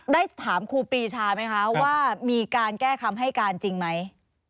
ได้ถามครูปรีชาไหมคะว่ามีการแก้คำให้การจริงไหม